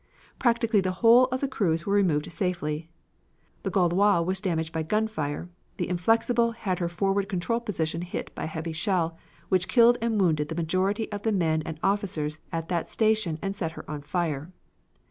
Practically the whole of the crews were removed safely. The Gaulois was damaged by gunfire; the Inflexible had her forward control position hit by a heavy shell, which killed and wounded the majority of the men and officers at that station and set her on fire.